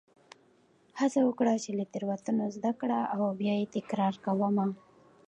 هڅه وکړه چې له تېروتنو زده کړه او بیا یې تکرار مه کوه.